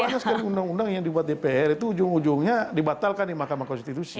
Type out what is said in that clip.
karena banyak sekali undang undang yang dibuat dpr itu ujung ujungnya dibatalkan di mahkamah konstitusi gitu